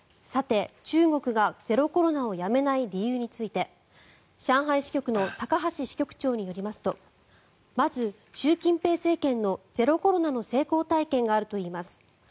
中国がゼロコロナをやめない理由について上海支局の高橋支局長によりますとまず、習近平政権のゼロコロナの成功体験があるといいます。